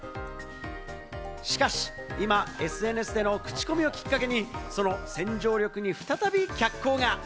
しかし今、ＳＮＳでの口コミをきっかけに、その洗浄力に再び脚光が！